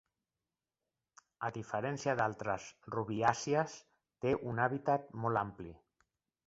A diferència d'altres rubiàcies, té un hàbitat molt ampli.